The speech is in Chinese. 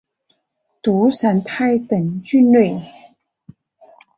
毒伞肽等菌类。